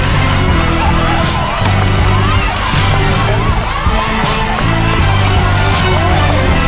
ไปแล้วแหละครับผู้ชม